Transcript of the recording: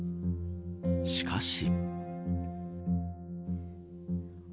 しかし。